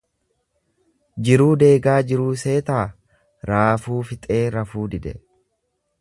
Jiruu deegaa jiruu seetaa raafuu fixee rafuu dide